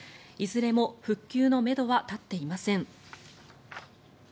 いずれも復旧のめどは立っていません。